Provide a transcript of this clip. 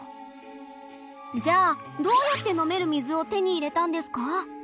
じゃあどうやって飲める水を手に入れたんですか？